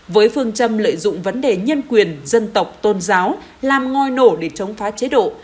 với phương châm lợi dụng vấn đề nhân quyền dân tộc tôn giáo làm ngòi nổ để chống phá chế độ